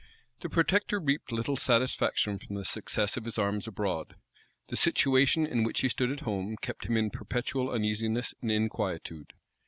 The protector reaped little satisfaction from the success of his arms abroad: the situation in which he stood at home kept him in perpetual uneasiness and inquietude.